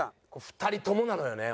２人ともなのよね